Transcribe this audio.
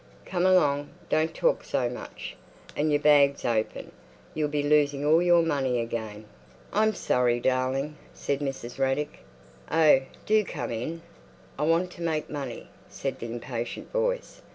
"Come along. Don't talk so much. And your bag's open; you'll be losing all your money again." "I'm sorry, darling," said Mrs. Raddick. "Oh, do come in! I want to make money," said the impatient voice.